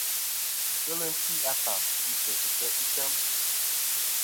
Ghelɨ ti a faf chitɨ sɨ se' item.